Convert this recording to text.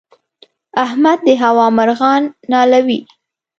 احمد د هوا مرغان نالوي.